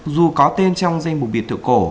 dù có tên trong danh mục biệt thự cổ